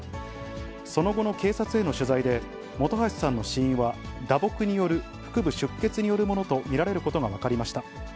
その後の警察への取材で、本橋さんの死因は打撲による腹部出血によるものと見られることが分かりました。